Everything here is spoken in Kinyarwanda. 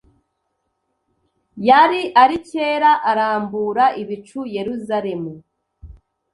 yari ari kera arambura ibicu Yeruzalemu;